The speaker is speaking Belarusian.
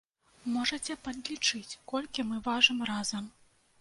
Можаце падлічыць, колькі мы важым разам.